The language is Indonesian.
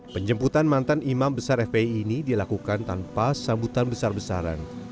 penjemputan mantan imam besar fpi ini dilakukan tanpa sambutan besar besaran